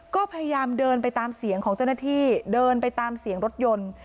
ก็พยายามเดินไปตามเสียงของเจ้าหน้าที่เดินไปตามเสียงรถยนต์